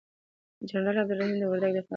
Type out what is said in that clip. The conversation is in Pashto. جنرال عبدالرحیم وردگ دفاع وزیر،